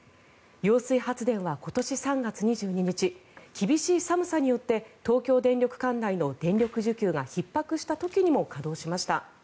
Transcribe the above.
揚水発電は今年３月２２日厳しい寒さによって東京電力管内の電力需給がひっ迫した時にも稼働しました。